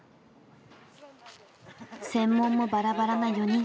専門もバラバラな４人。